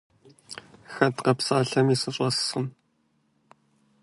Хэт къэпсалъэми сыщӀэскъым.